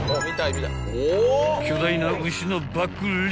［巨大な牛のバックリブ］